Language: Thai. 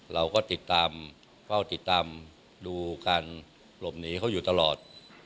เราก็ติดตามเฝ้าติดตามดูการหลบหนีเขาอยู่ตลอด